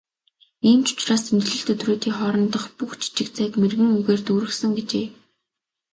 "Ийм ч учраас тэмдэглэлт өдрүүдийн хоорондох бүх жижиг зайг мэргэн үгээр дүүргэсэн" гэжээ.